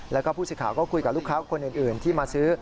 แล้วก็ผู้สื่อข่าวก็คุยกับลูกค้าคนอื่นที่มาซื้อ